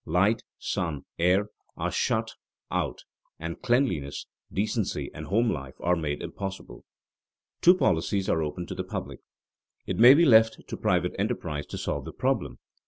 Light, sun, air are shut out, and cleanliness, decency, and home life are made impossible. Two policies are open to the public. It may be left to private enterprise to solve the problem.